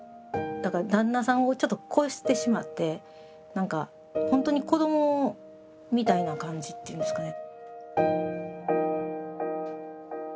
だから旦那さんをちょっと超してしまって何か本当に子どもみたいな感じっていうんですかね。